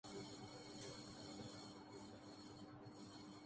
Covid antiviral دوائی تیار کرنے میں مدد کے لئے متحدہ عرب